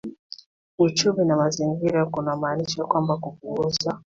uchumi na mazingira kunamaanisha kwamba kupunguza